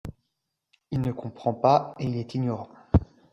Il ne comprend pas et il est ignorant.